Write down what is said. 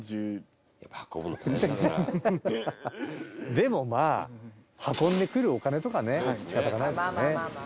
でもまあ運んでくるお金とかねしかたがないですね。